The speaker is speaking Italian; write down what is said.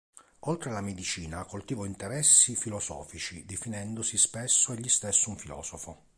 Oltre alla medicina coltivò interessi filosofici, definendosi spesso egli stesso un filosofo.